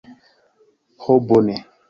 Ho bone!